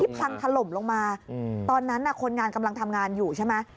พังถล่มลงมาตอนนั้นคนงานกำลังทำงานอยู่ใช่ไหม